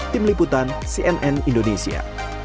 tim liputan cnn indonesia